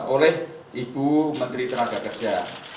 oleh ibu menteri tenaga kerja